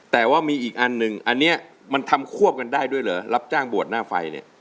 แต่ว่ามีอีกอันหนึ่งอันนี้มันทำควบกันได้ด้วยเหรอรับจ้างบวชหน้าไฟเนี่ย